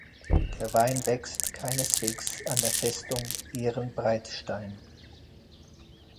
Der Wein wächst keineswegs an der Festung Ehrenbreitstein.